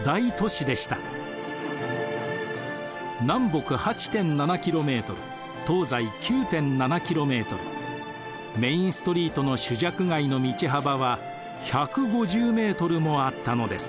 南北８．７ｋｍ東西９．７ｋｍメインストリートの朱雀街の道幅は１５０ｍもあったのです。